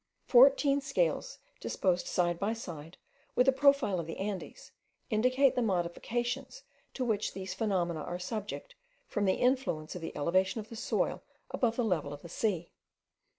Fourteen scales, disposed side by side with a profile of the Andes, indicate the modifications to which these phenomena are subject from the influence of the elevation of the soil above the level of the sea.